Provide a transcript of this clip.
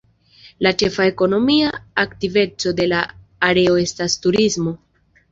La ĉefa ekonomia aktiveco de la areo estas turismo.